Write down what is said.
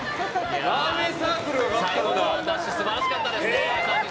最後のダッシュ素晴らしかったですね。